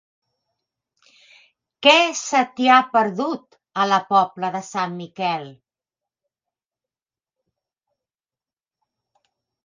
Què se t'hi ha perdut, a la Pobla de Sant Miquel?